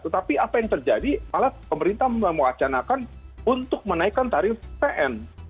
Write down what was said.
tetapi apa yang terjadi malah pemerintah mewacanakan untuk menaikkan tarif pn